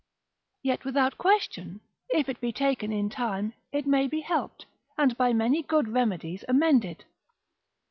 Yet without question, if it be taken in time, it may be helped, and by many good remedies amended.